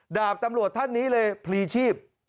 ดาบตำรวจท่านนี้เลยพลีชีพ